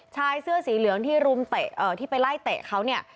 ชายเสื้อสีเหลืองที่ไปไล่เตะเขาเนี่ย